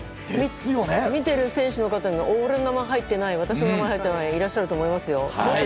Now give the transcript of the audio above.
見ている選手の方が俺の名前入ってない私の名前が入っていないっていう方いらっしゃると思います。